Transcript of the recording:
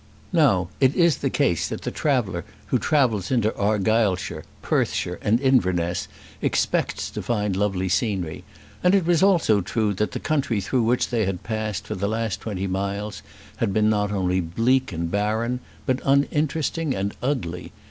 Now it is the case that the traveller who travels into Argyllshire, Perthshire, and Inverness, expects to find lovely scenery; and it was also true that the country through which they had passed for the last twenty miles had been not only bleak and barren, but uninteresting and ugly.